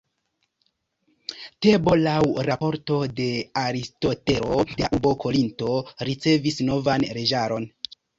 Tebo laŭ raporto de Aristotelo de la urbo Korinto ricevis novan leĝaron.